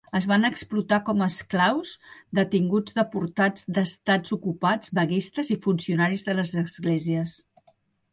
Es van explotar com esclaus detinguts deportats d'estats ocupats, vaguistes i funcionaris de les esglésies.